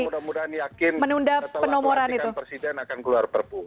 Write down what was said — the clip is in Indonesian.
mudah mudahan yakin setelah pelantikan presiden akan keluar perpu